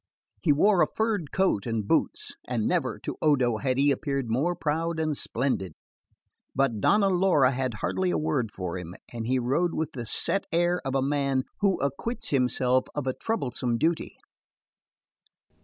He wore a furred coat and boots, and never, to Odo, had he appeared more proud and splendid; but Donna Laura had hardly a word for him, and he rode with the set air of a man who acquits himself of a troublesome duty.